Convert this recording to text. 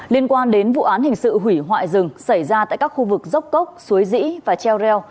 liên quan đến vụ án hình sự hủy hoại rừng xảy ra tại các khu vực dốc cốc suối dĩ và treo reo